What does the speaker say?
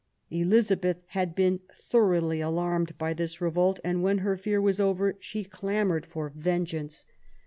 Elizabeth had been thoroughly alarmed by this revolt, and, when her fear was over, she clamoured for vengeance.